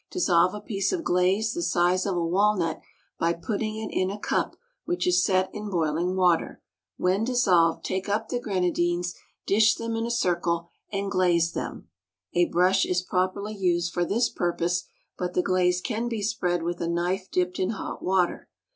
Dissolve a piece of glaze the size of a walnut by putting it in a cup which is set in boiling water; when dissolved, take up the grenadines, dish them in a circle, and glaze them (a brush is properly used for this purpose, but the glaze can be spread with a knife dipped in hot water).